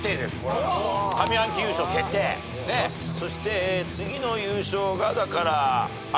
そして次の優勝がだから有田さん。